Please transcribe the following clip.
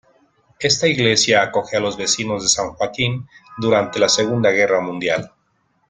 Esta iglesia acoge a los vecinos de San Joaquín durante la Segunda Guerra Mundial.